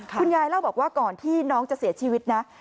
เล่าบอกว่าก่อนที่น้องจะเสียชีวิตนะ